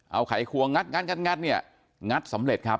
เอาไขควงงัดเนี่ยงัดสำเร็จครับ